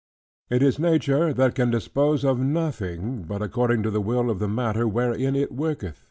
It is Nature that can dispose of nothing, but according to the will of the matter wherein it worketh.